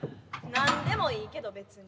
何でもいいけど別に。